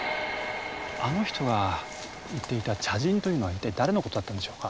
あの人が言っていた茶人というのは一体誰の事だったんでしょうか？